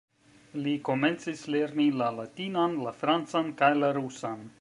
Li komencis lerni la latinan, la francan kaj la rusan.